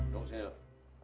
tunggu sini loh